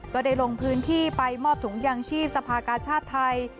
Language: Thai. ก็ได้ลงพื้นที่ไปมอบถุงยางชีพสภากาชาติไทย